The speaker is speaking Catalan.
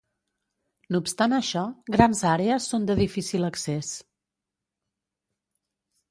No obstant això, grans àrees són de difícil accés.